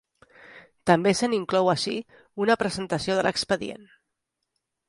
També se n'inclou ací una presentació de l'expedient.